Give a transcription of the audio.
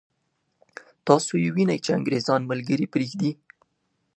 تاسو یې وینئ چې انګرېزان ملګري پرېږدي.